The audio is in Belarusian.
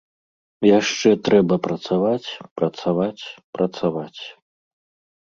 Яшчэ трэба працаваць, працаваць, працаваць.